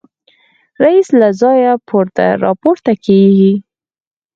رییس له ځایه راپورته کېږي.